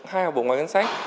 hai học bổng ngoài ngân sách